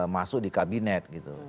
masuk di kabinet